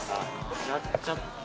やっちゃった。